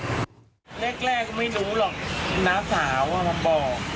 แรกก็ไม่รู้หรอกน้าสาวมาบอก